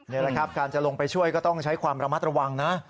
นี่แหละครับการจะลงไปช่วยก็ต้องใช้ความระมัดระวังนะ